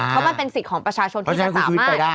เพราะมันเป็นสิทธิ์ของประชาชนที่จะสามารถ